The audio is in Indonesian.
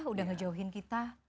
udah ngejauhin kita